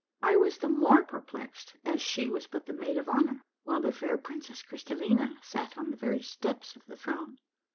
I was the more perplexed as she was but the maid of honor, while the fair princess Crystallina sat on the very steps of the throne.